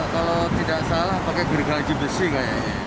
kalau tidak salah pakai gergaji besi kayaknya